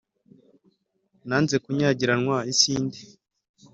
Nanze kunyagiranwa isinde,